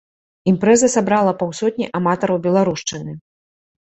Імпрэза сабрала паўсотні аматараў беларушчыны.